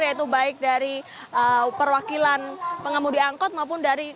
yaitu baik dari perwakilan pengemudi angkot maupun dari